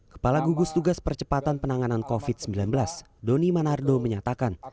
kepala gugus tugas percepatan penanganan covid sembilan belas doni manardo menyatakan